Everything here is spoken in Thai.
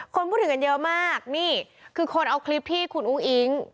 คนพูดถึงกันเยอะมากนี่คือคนเอาคลิปที่คุณอุ้งอิ๊ง